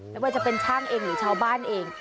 ไม่ว่าจะเป็นช่างเองหรือชาวบ้านเอง